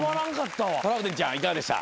トラウデンちゃんいかがでした？